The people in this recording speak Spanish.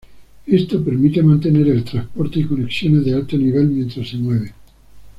Esto permite mantener el transporte y conexiones de alto nivel mientras se mueve.